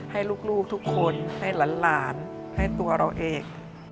ให้ลูกทุกคนให้หลานให้ตัวเราเอง